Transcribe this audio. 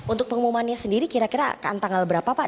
untuk pengumumannya sendiri kira kira antanggal berapa pak